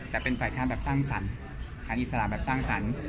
แต่เป็นฝ่ายค้านแบบสร้างสรรค์